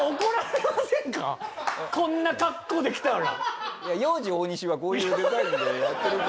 こんな格好で来たら。